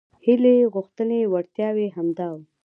هیلې غوښتنې وړتیاوې همدا وو.